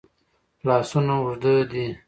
لاسونه اوږد دي.